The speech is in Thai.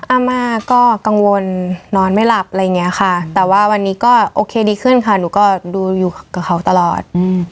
อาม่าก็กังวลนอนไม่หลับอะไรอย่างนี้ค่ะแต่ว่าวันนี้ก็โอเคดีขึ้นค่ะหนูก็ดูอยู่กับเขาตลอด